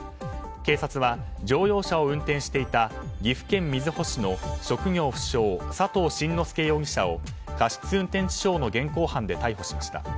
警察は、乗用車を運転していた岐阜県瑞穂市の職業不詳佐藤慎之助容疑者を過失運転致死傷の現行犯で逮捕しました。